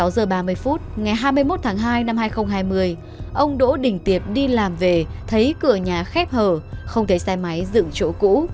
sáu giờ ba mươi phút ngày hai mươi một tháng hai năm hai nghìn hai mươi ông đỗ đình tiệp đi làm về thấy cửa nhà khép hở không thấy xe máy dựng chỗ cũ